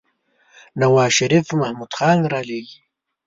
نوازشريف محمود خان رالېږي.